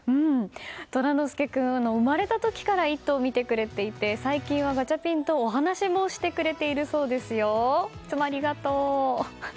寅ノ輔君は生まれた時から「イット！」を見てくれていて最近はガチャピンとお話もしてくれているそうですよ。